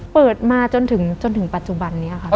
เปิดมาจนถึงปัจจุบันนี้ค่ะ